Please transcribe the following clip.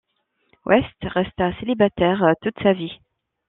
West resta célibataire toute sa vie.